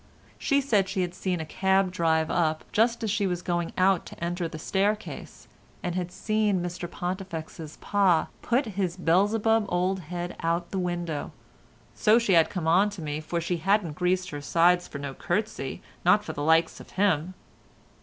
She said she had seen a cab drive up just as she was going to enter the staircase, and had seen Mr Pontifex's pa put his Beelzebub old head out of the window, so she had come on to me, for she hadn't greased her sides for no curtsey, not for the likes of him.